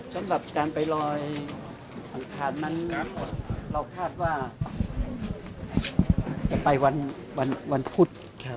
สำหรับการไปลอยอังคารนั้นเราคาดว่าจะไปวันพุธ